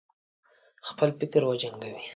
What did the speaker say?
خپل فکر وجنګوي.